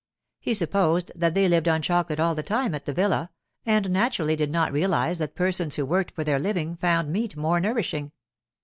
He supposed that they lived on chocolate all the time at the villa, and naturally did not realize that persons who worked for their living found meat more nourishing.